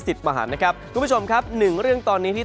สิทธิ์มหาญนะครับทุกผู้ชมครับหนึ่งเรื่องตอนนี้ที่